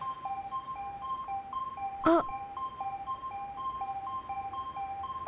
あっ！